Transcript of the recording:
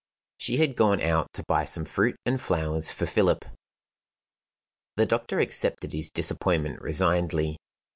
She had gone out to buy some fruit and flowers for Philip. The doctor accepted his disappointment resignedly.